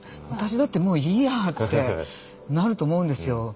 私だってもういいやってなると思うんですよ。